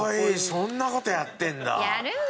そんな事やってんだ。